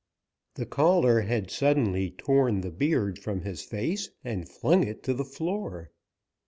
The caller had suddenly torn the beard from his face and flung it to the floor.